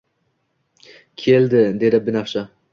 Kel dedi binafsha